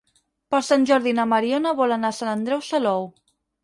Per Sant Jordi na Mariona vol anar a Sant Andreu Salou.